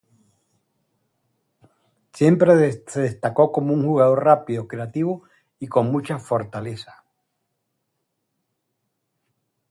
Siempre se destacó como un jugador rápido, creativo y con mucha fortaleza.